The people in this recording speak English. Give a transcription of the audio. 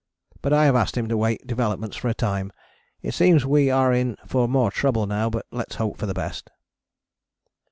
But I have asked him to wait developments for a time. It seems we are in for more trouble now, but lets hope for the best.